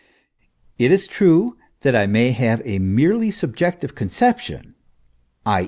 It is true that I may have a merely subjective conception, i.